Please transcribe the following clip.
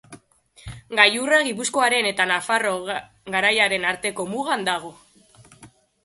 Gailurra Gipuzkoaren eta Nafarroa Garaiaren arteko mugan dago.